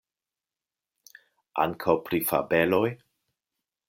Ankaŭ pri fabeloj?